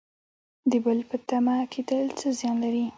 د بل په تمه کیدل څه زیان لري؟